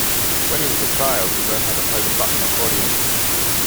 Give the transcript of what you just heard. When he was a child, he learned how to play the button accordion.